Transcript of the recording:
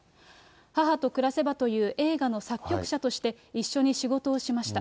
母と暮らせばという映画の作曲者として一緒に仕事をしました。